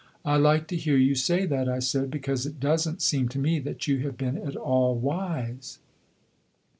'I like to hear you say that,' I said, 'because it does n't seem to me that you have been at all wise.